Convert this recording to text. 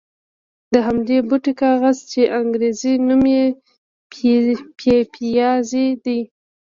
د همدې بوټي کاغذ چې انګرېزي نوم یې پپیازي دی.